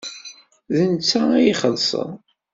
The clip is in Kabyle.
D netta ad ixellṣen.